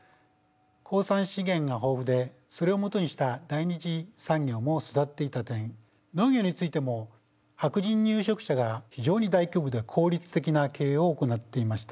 鉱産資源が豊富でそれをもとにした第２次産業も育っていた点農業についても白人入植者が非常に大規模で効率的な経営を行っていました。